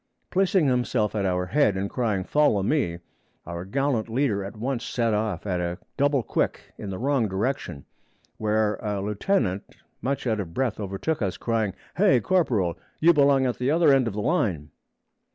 Placing himself at our head and crying, 'Follow me,' our gallant leader at once set off at a double quick in the wrong direction, where a lieutenant much out of breath overtook us, crying, 'Hay, corporal! you belong at the other end of the line!'